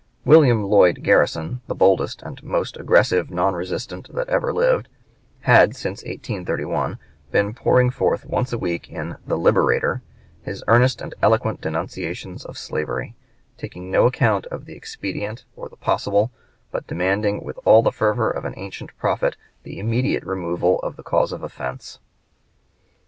William Lloyd Garrison, the boldest and most aggressive non resistant that ever lived, had, since 1831, been pouring forth once a week in the "Liberator" his earnest and eloquent denunciations of slavery, taking no account of the expedient or the possible, but demanding with all the fervor of an ancient prophet the immediate removal of the cause of offense.